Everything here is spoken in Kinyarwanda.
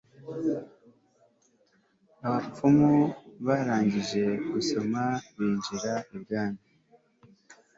abapfumu barangije gusoma, binjira ibwami